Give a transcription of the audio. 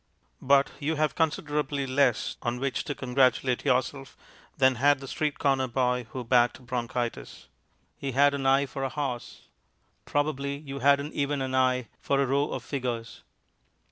But you have considerably less on which to congratulate yourself than had the street corner boy who backed Bronchitis. He had an eye for a horse. Probably you hadn't even an eye for a row of figures.